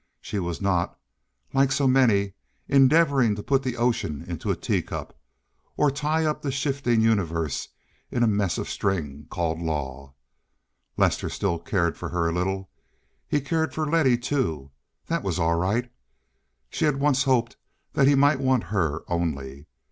She was not, like so many, endeavoring to put the ocean into a tea cup, or to tie up the shifting universe in a mess of strings called law. Lester still cared for her a little. He cared for Letty too. That was all right. She had hoped once that he might want her only.